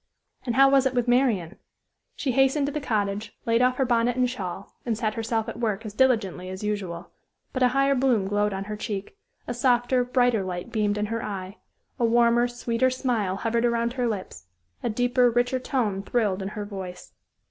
And how was it with Marian? She hastened to the cottage, laid off her bonnet and shawl, and set herself at work as diligently as usual; but a higher bloom glowed on her cheek, a softer, brighter light beamed in her eye, a warmer, sweeter smile hovered around her lips, a deeper, richer tone thrilled in her voice.